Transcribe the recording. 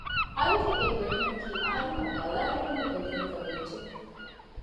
އަިގެ އެ ގޮތްގަނޑަކީ އަހަރެންނަށް ބަލައިގަނެވުނު ގޮތްގަނޑަކަށް ވެއްޖެ